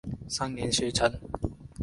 三年学成。